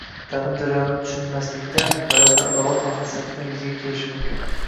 ta’lim jarayonini tushunmaslikdan, ba’zida adovat va hasaddan yuzaga kelishi mumkin.